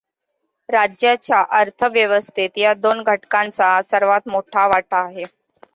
राज्याच्या अर्थव्यवस्थेत या दोन घटकांचा सर्वांत मोठा वाटा आहे.